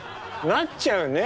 なっちゃうね！